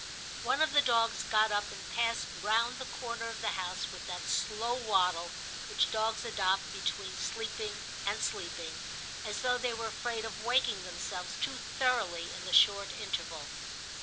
One of the dogs got up and passed round the corner of the house with that slow waddle which dogs adopt between sleeping and sleeping, as though they were afraid of waking themselves too thoroughly in the short interval.